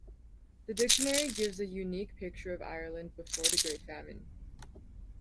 The dictionary gives a unique picture of Ireland before the Great Famine.